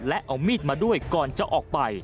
และเอามีดมาด้วยก่อนจะออกไป